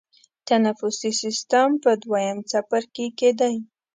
تنفسي سیستم په دویم څپرکي کې دی.